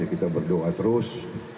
kita berdoa terus